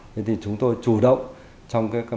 vậy thì chúng tôi chủ động trong các mọi